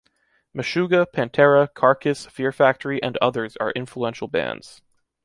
Meshuggah, Pantera, Carcass, Fear Factory, and others are influential bands.